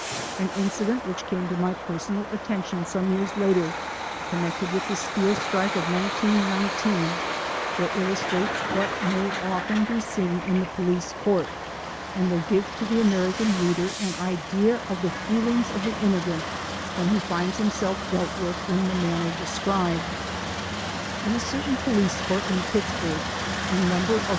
An incident which came to my personal attention some years later, connected with the Steel Strike of 1919, will illustrate what may often be seen in the police court, and will give to the American reader an idea of the feelings of the immigrant when he finds himself dealt with in the manner described. In a certain police court in Pittsburgh a number of